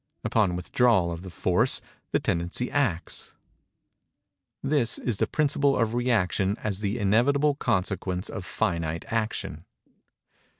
Upon withdrawal of the force, the tendency acts. This is the principle of rëaction as the inevitable consequence of finite action.